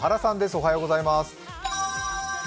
おはようございます。